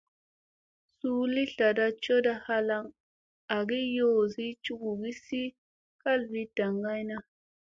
Suu li tlada coda halaŋ aygi yoosi cugusi kalfi daŋgayna.